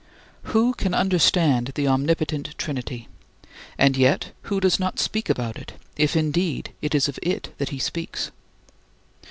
Who can understand the omnipotent Trinity? And yet who does not speak about it, if indeed it is of it that he speaks?